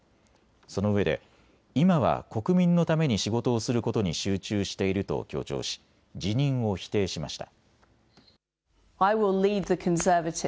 そのうえで今は国民のために仕事をすることに集中していると強調し辞任を否定しました。